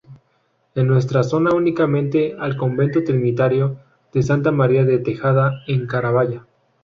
En nuestra zona únicamente al convento Trinitario de Santa María de Tejeda en Carabaya.